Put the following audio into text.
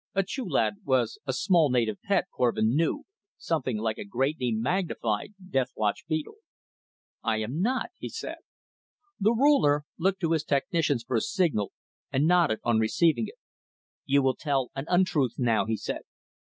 A chulad was a small native pet, Korvin knew, something like a greatly magnified deathwatch beetle. "I am not," he said. The Ruler looked to his technicians for a signal, and nodded on receiving it. "You will tell an untruth now," he said.